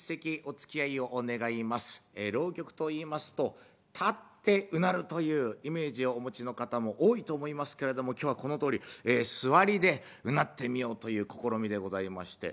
浪曲といいますと立ってうなるというイメージをお持ちの方も多いと思いますけれども今日はこのとおり座りでうなってみようという試みでございまして。